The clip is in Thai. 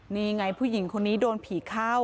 นี่ไงผู้หญิงคนนี้โดนผีเข้า